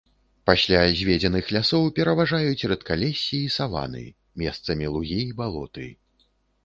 Пасля зведзеных лясоў пераважаюць рэдкалессі і саванны, месцамі лугі і балоты.